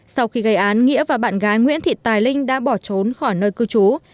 sau khi gây án nghĩa và bạn gái nguyễn thị tài linh đã bỏ trốn khỏi nơi cư trú